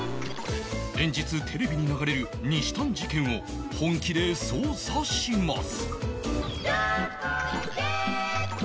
連日テレビに流れるにしたん事件を本気で捜査します